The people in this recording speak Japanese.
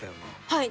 はい。